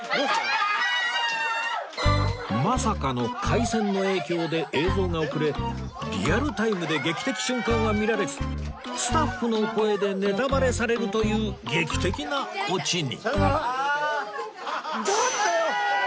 まさかの回線の影響で映像が遅れリアルタイムで劇的瞬間は見られずスタッフの声でネタバレされるという劇的なオチに